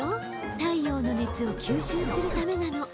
太陽の熱を吸収するためなの。